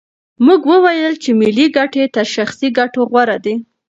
موږ وویل چې ملي ګټې تر شخصي ګټو غوره دي.